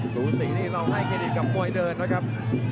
สูงสีนี้ลองให้เครดิตกับมวยเดินนะครับ